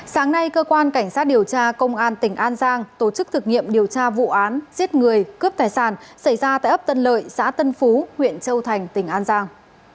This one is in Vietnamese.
sáng nay cơ quan cảnh sát điều tra công an tỉnh an giang tổ chức thực nghiệm điều tra vụ án giết người cướp tài sản xảy ra tại ấp tân lợi xã tân phú huyện châu thành tỉnh an giang